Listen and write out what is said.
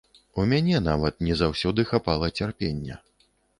У мяне нават не заўсёды хапала цярпення.